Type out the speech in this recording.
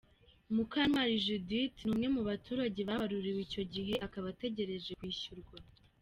Mukantwali Judith, ni umwe baturage babaruriwe icyo gihe akaba ategereje kwishyurwa.